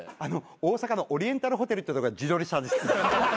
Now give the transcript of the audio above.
大阪のオリエンタルホテルってとこで自撮りしたんです。